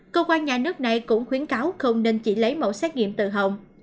cơ quan nhà nước này cũng khuyến cáo không nên chỉ lấy mẫu xét nghiệm từ hồng